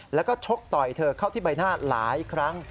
แล้วก็ชกต่อยเธอเข้าที่ใบหน้าหลายครั้ง